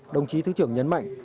đồng chí thứ trưởng nhấn mạnh